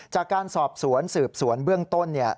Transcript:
จากการสอบสวนสืบสวนเบื้องต้นเนี่ย